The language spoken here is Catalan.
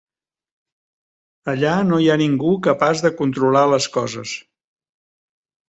Allà no hi ha ningú capaç de controlar les coses.